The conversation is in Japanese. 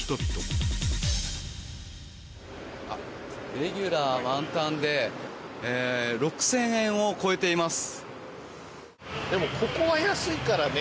レギュラー満タンで６０００円を超えています。